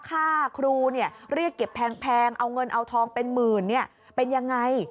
ค่าครูเรียกเก็บแพงเอาเงินเอาทองเป็นหมื่นเป็นยังไง